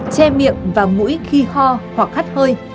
che miệng và mũi khi ho hoặc khát hơi